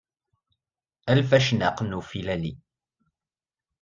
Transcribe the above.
A lfacnaq n ufilali.